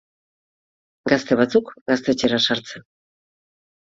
Gazte batzuk gaztetxera sartzen.